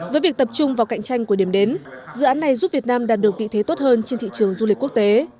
với việc tập trung vào cạnh tranh của điểm đến dự án này giúp việt nam đạt được vị thế tốt hơn trên thị trường du lịch quốc tế